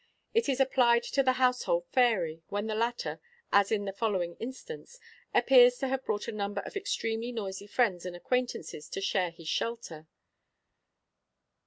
It is applied to the household fairy, when the latter, as in the following instance, appears to have brought a number of extremely noisy friends and acquaintances to share his shelter.